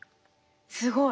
すごい。